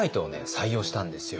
採用したんですよ。